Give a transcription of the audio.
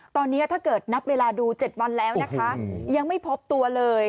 ตอนนี้ถ้าเกิดนับเวลาดู๗วันแล้วนะคะยังไม่พบตัวเลย